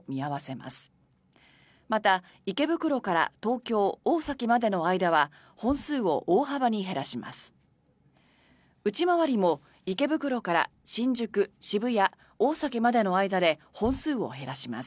また、池袋から東京、大崎までの間は本数を大幅に減らします。